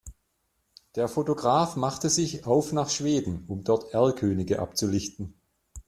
Der Fotograf machte sich auf nach Schweden, um dort Erlkönige abzulichten.